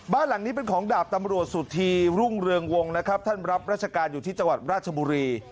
บ้านหลังนี้เป็นของดาบตำรวจสุธีรุ่งเรืองวงนะครับท่านรับราชการอยู่ที่จังหวัดราชบุรี